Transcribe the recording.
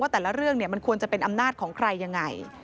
แต่ละเรื่องมันควรจะเป็นอำนาจของใครยังไง